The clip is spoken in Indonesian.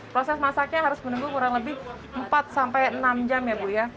proses masaknya harus menunggu kurang lebih empat sampai enam jam ya bu ya